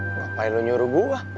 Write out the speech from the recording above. ngapain lo nyuruh gua